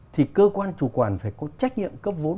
thì cơ quan chủ quản phải có trách nhiệm cấp vốn